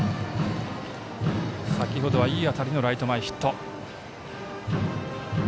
先ほどはいい当たりのライト前ヒット。